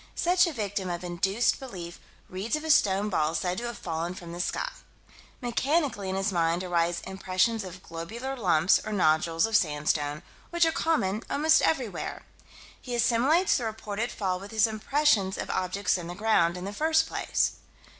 Such a victim of induced belief reads of a stone ball said to have fallen from the sky. Mechanically in his mind arise impressions of globular lumps, or nodules, of sandstone, which are common almost everywhere. He assimilates the reported fall with his impressions of objects in the ground, in the first place.